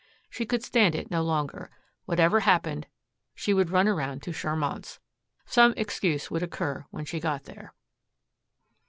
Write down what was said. She could stand it no longer. Whatever happened, she would run around to Charmant's. Some excuse would occur when she got there.